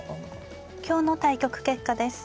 今日の対局結果です。